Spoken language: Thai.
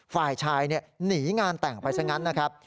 ฝ่ายชายหนีงานแต่งไปซะงั้นนะครับ